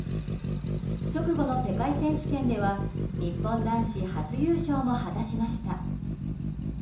直後の世界選手権では日本男子初優勝も果たしました。